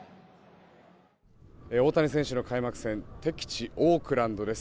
大谷選手の開幕戦敵地オークランドです。